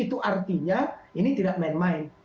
itu artinya ini tidak main main